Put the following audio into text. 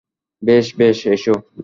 বেশ, বেশ, এসো!